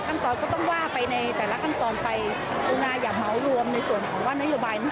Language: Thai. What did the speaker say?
วันนี้คือทางคำตอบตัวทนายความจาก๑๗สำนักงาน